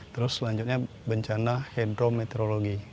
terus selanjutnya bencana hidrometeorologi